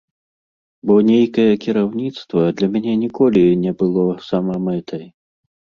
Бо нейкае кіраўніцтва для мяне ніколі не было самамэтай.